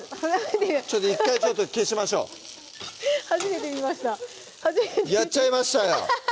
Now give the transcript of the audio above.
ちょっと１回消しましょう初めて見ましたやっちゃいましたよ